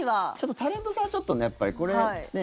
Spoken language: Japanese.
タレントさんはちょっとねやっぱり、これね。